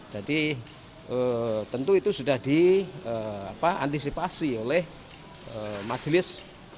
jadi tentu itu sudah diantisipasi oleh majelis